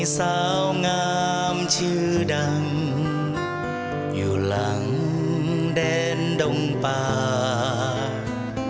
สาวงามชื่อดังอยู่หลังแดนดงปาก